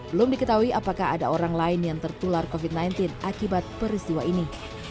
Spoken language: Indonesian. belum diketahui apakah ada orang lain yang tertular covid sembilan belas akibat peristiwa ini